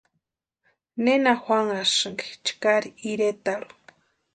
¿Nena juanhasïnki chkari iretarhu?